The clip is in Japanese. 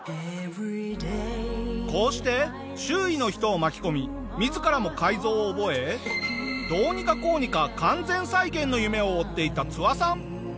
こうして周囲の人を巻き込み自らも改造を覚えどうにかこうにか完全再現の夢を追っていたツワさん。